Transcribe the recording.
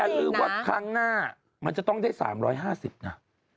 ลืมว่าครั้งหน้ามันจะต้องได้๓๕๐นะ